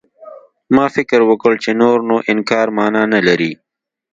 ما فکر وکړ چې نور نو انکار مانا نه لري.